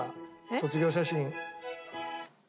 『卒業写真』